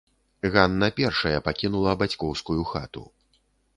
Ганна першая пакінула бацькоўскую хату.